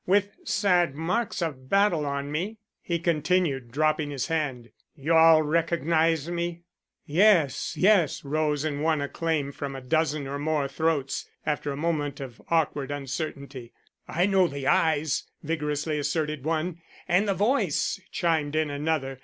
With sad marks of battle on me," he continued, dropping his hand. "You all recognize me?" "Yes, yes," rose in one acclaim from a dozen or more throats after a moment of awkward uncertainty. "I know the eyes," vigorously asserted one. "And the voice," chimed in another.